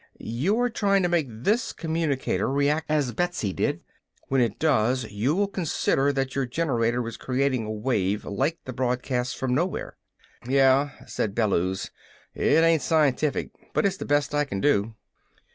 You are trying to make this communicator react as Betsy did. When it does, you will consider that your generator is creating a wave like the broadcasts from nowhere." "Yeah," said Bellews. "It ain't scientific, but it's the best I can do."